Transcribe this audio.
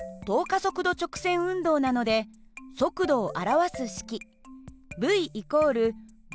加速度直線運動なので速度を表す式υ＝υ＋